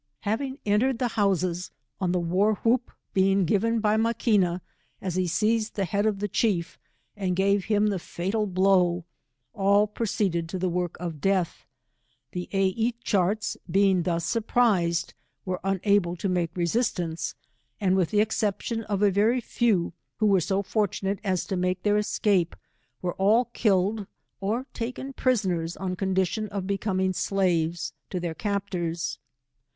Having entered the houses, on the vvar whoop being given by Maquina, as he seized the head of the chief, and gave him the fatal blow, all pro ceeded to the work of death. The A y charts being thus surprized, were unable to make resis tance, and with the exception of a very few, who were so fortunate as to make their escape, were all kilUd or taken prisoners ou condition of becoming slaves to their captors.